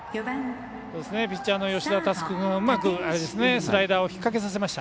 ピッチャーの吉田佑久君はうまくスライダーを引っ掛けさせました。